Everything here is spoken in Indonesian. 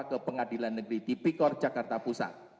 ke pengadilan negeri tipikor jakarta pusat